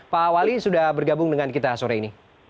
pak wali sudah bergabung dengan kita sore ini